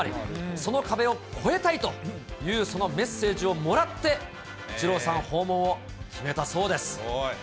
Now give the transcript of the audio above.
その壁を越えたいというそのメッセージをもらって、イチローさん、訪問を決めたそうです。